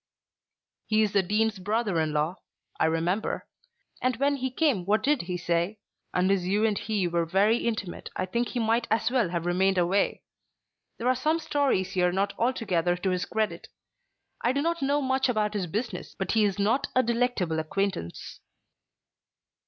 "He is the Dean's brother in law. I remember. And when he came what did he say? Unless you and he were very intimate I think he might as well have remained away. There are some stories here not altogether to his credit. I do not know much about his business, but he is not a delectable acquaintance."